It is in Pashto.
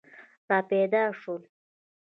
را پیدا شول.